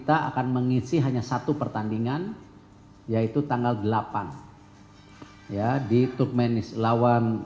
akan mengisi hanya satu pertandingan yaitu tanggal delapan ya di turkmenis lawan